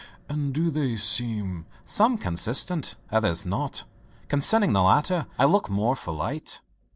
"And to you they seem ?" "Some consistent, others not. Concerning the latter I look for more light."